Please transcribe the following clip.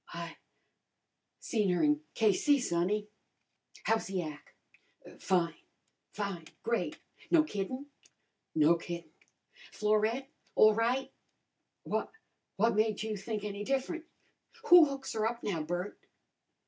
"I seen her in K.C., sonny." "How's the ac'?" "Fine! Fine! Great!" "No kiddin'?" "No kiddin'." "Florette all right?" "Why, what made you think any different?" "Who hooks her up now, Bert?"